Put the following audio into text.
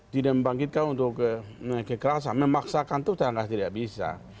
tidak membangkitkan untuk kekerasan memaksakan itu tanggal tidak bisa